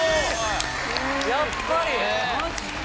やっぱり！